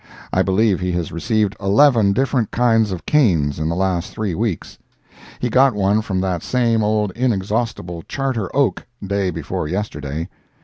I believe he has received eleven different kinds of canes in the last three weeks. He got one from that same old inexhaustible Charter Oak, day before yesterday.